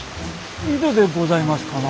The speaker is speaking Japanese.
井戸でございますかな？